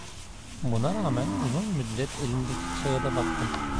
Buna rağmen uzun müddet elimdeki kâğıda baktım.